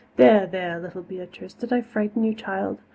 "There, there, little Beatrice! Did I frighten you, child?